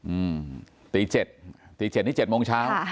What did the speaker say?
อืมตีเจ็ดตีเจ็ดนี่เจ็ดโมงเช้า